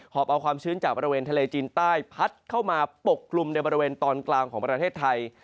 อบเอาความชื้นจากบริเวณทะเลจีนใต้พัดเข้ามาปกกลุ่มในบริเวณตอนกลางของประเทศไทย